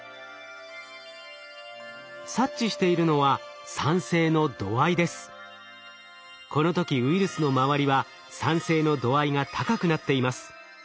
察知しているのはこの時ウイルスの周りは酸性の度合いが高くなっています。